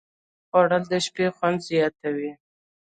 خوړل د شپې خوند زیاتوي